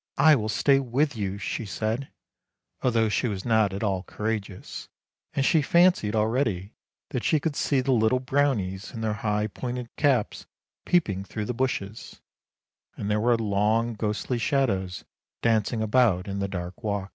' I will stay with you/ she said, although she was not at all courageous, and she fancied already that she could see the little Brownies in their high pointed caps peeping through the bushes, and there were long ghostly shadows dancing about in the dark walk.